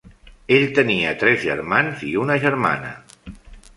Ell tenia tres germans i una germana.